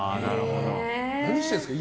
何してるんですか？